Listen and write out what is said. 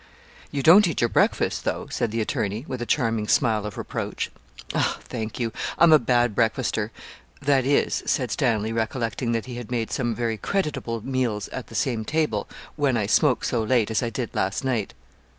'You don't eat your breakfast, though,' said the attorney, with a charming smile of reproach. 'Ah, thank you; I'm a bad breakfaster; that is,' said Stanley, recollecting that he had made some very creditable meals at the same table, 'when I smoke so late as I did last night.'